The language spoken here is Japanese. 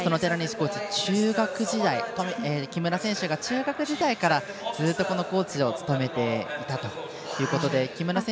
コーチ木村選手が中学時代からずっとコーチを務めていたということで。